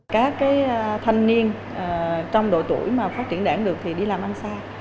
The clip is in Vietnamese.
các thanh niên trong đội tuổi mà phát triển đảng được thì đi làm ăn